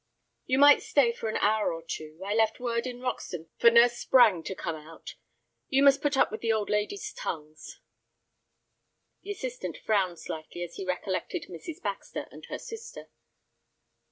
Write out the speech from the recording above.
"You might stay for an hour or two. I left word in Roxton for Nurse Sprange to come out. You must put up with the old ladies' tongues." The assistant frowned slightly as he recollected Mrs. Baxter and her sister.